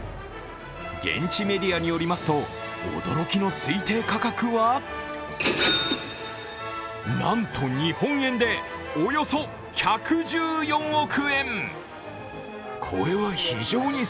現地メディアによりますと、驚きの推定価格は、なんと日本円でおよそ１１４億円。